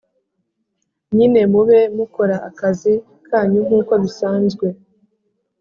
nyne mube mukora akazi kanyu nkuko bsanzwe